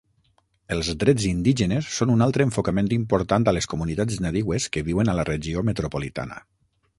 Els drets indígenes són un altre enfocament important a les comunitats nadiues que viuen a la regió metropolitana.